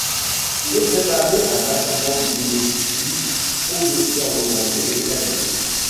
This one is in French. Il est préparé à base d'amandes grillées, sucre, eau de fleur d'oranger et cannelle.